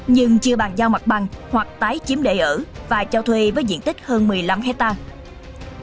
nhưng chưa bàn giao mặt bằng hoặc tái chiếm để ở và cho thuê với diện tích hơn một mươi năm hectare